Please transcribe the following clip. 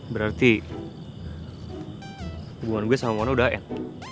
berarti hubungan gue sama mona udah end